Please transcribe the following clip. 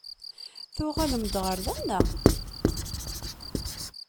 Tuɣalem-d ɣer da, naɣ?